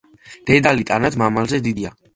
დედალი ტანად მამალზე დიდია.